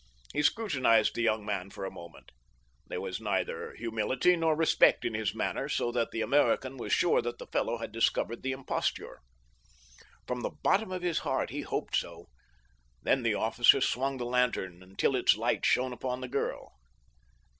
He scrutinized the young man for a moment. There was neither humility nor respect in his manner, so that the American was sure that the fellow had discovered the imposture. From the bottom of his heart he hoped so. Then the officer swung the lantern until its light shone upon the girl.